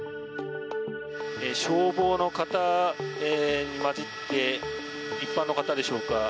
消防の方に交じって一般の方でしょうか。